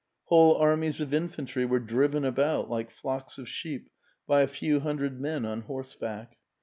Whole armies of infantry were driven about, like flocks of sheep, by a few hundred men on horseback.